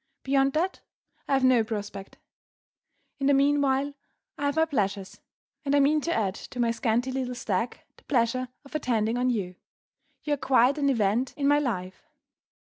Beyond that, I have no prospect. In the meanwhile, I have my pleasures; and I mean to add to my scanty little stack the pleasure of attending on you. You are quite an event in my life.